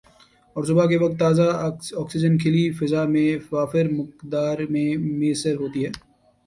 اور صبح کے وقت تازہ آکسیجن کھلی فضا میں وافر مقدار میں میسر ہوتی ہے